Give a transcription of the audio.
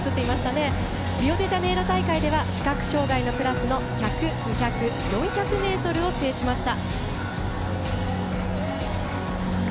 リオデジャネイロ大会では視覚障がいのクラスの１００、２００、４００ｍを制しました。